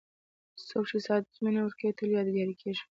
څوک چې صادق مینه ورکوي، تل یادګاري کېږي.